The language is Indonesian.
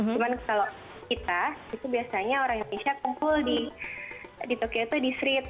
cuman kalau kita itu biasanya orang indonesia kumpul di tokyo itu di street